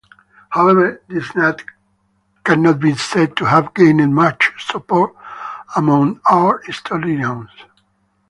However this cannot be said to have gained much support among art historians.